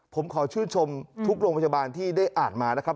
ผมขอชื่นชมทุกโรงพยาบาลที่ได้อ่านมานะครับ